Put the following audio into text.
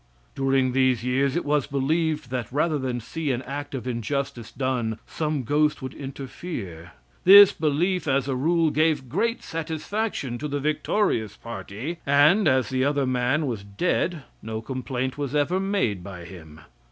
During these years it was believed that rather than see an act of injustice done some ghost would interfere. This belief, as a rule, gave great satisfaction to the victorious party, and, as the other man was dead, no complaint was ever made by him.